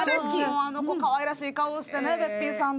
あの子、かわいらしい顔してべっぴんさんで。